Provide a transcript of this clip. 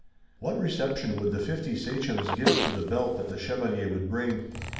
What reception would the fifty sachems give to the belt that the chevalier would bring?